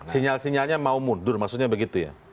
sinyal sinyalnya mau mundur maksudnya begitu ya